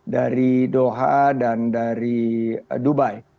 dari doha dan dari dubai